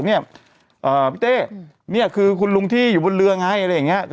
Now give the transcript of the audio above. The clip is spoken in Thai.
พี่เต้นี่คือคุณลุงที่อยู่บนเรือไงอะไรอย่างนี้